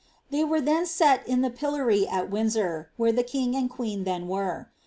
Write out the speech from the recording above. Tliey were then set in at Windsor, where the king and queen then were.